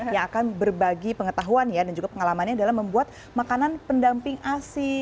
yang akan berbagi pengetahuan dan juga pengalamannya dalam membuat makanan pendamping asi